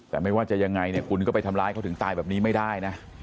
แต่ไม่ว่าจะยังไงเนี่ยคุณก็ไปทำร้ายเขาถึงตายแบบนี้ไม่ได้นะ